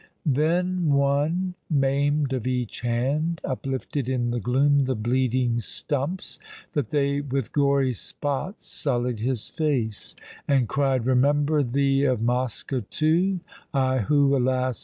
Then one Maim'd of each hand, uplifted in the gloom The bleeding stumps, that they with gory spots Sullied his face, and cried "Remember thee Of Mosca too I who, alas!